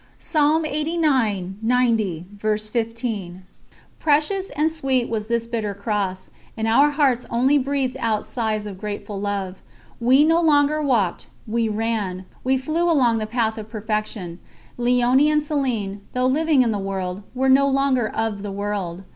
" Precious and sweet was this bitter cross, and our hearts only breathed out sighs of grateful love. We no longer walked we ran, we flew along the path of perfection. Léonie and Céline, though living in the world, were no longer of the world.